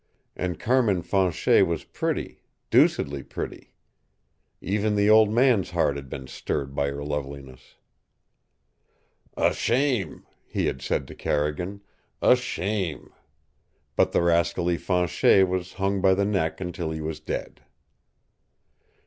And Carmin Fanchet was pretty deucedly pretty. Even the Old Man's heart had been stirred by her loveliness. "A shame!" he had said to Carrigan. "A shame!" But the rascally Fanchet was hung by the neck until he was dead.